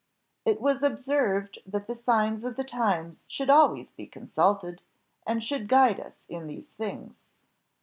It was observed that the signs of the times should always be consulted, and should guide us in these things.